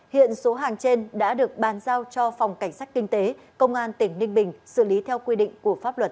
hiện số hàng trên đã được bàn giao cho phòng cảnh sát kinh tế công an tỉnh ninh bình xử lý theo quy định của pháp luật